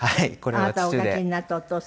あなたがお描きになったお父様？